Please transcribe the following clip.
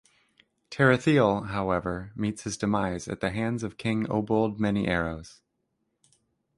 Tarathiel, however, meets his demise at the hands of King Obould Many-Arrows.